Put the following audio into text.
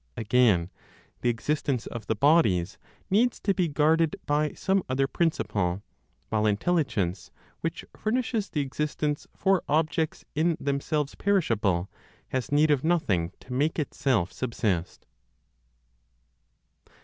Again, the existence of the bodies needs to be guarded by some other principle, while intelligence, which furnishes the existence for objects in themselves perishable, has need of nothing to make itself subsist.